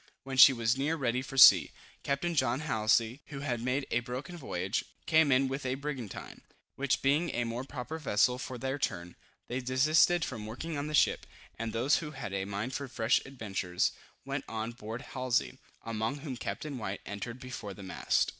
When she was near ready for sea, Captain John Halsey, who had made a broken voyage, came in with a brigantine, which being a more proper vessel for their turn, they desisted from working on the ship, and those who had a mind for fresh adventures, went on board Halsey, among whom Captain White entered before the mast.